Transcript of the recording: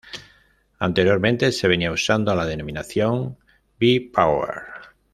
Anteriormente se venía usando la denominación Bi-Power.